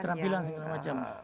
keterampilan segala macam